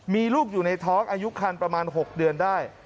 มีลูกอยู่ในท้องอายุคันประมาณ๖เดือนได้